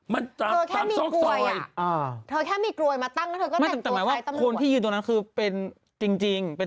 ไม่แต่ว่า